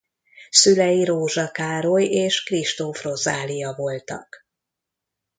Szülei Rózsa Károly és Kristóf Rozália voltak.